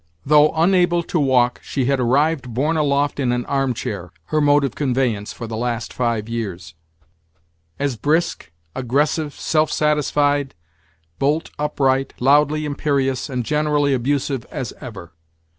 Though unable to walk, she had arrived borne aloft in an armchair (her mode of conveyance for the last five years), as brisk, aggressive, self satisfied, bolt upright, loudly imperious, and generally abusive as ever.